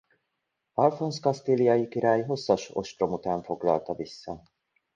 Alfonz kasztíliai király hosszas ostrom után foglalta vissza.